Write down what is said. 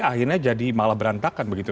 akhirnya jadi malah berantakan begitu